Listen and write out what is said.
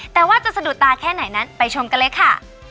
แต่ว่าจะสะดุดตาแค่ไหนนั้นไปชมกันเลยค่ะ